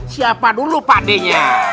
siapa dulu pak d nya